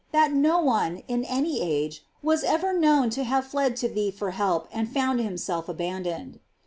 that no one, in any age, was ever known to have fled to thee for help and found himself abandoned."